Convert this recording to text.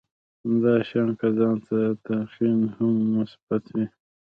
همدا شان که ځان ته تلقين هم مثبت وي.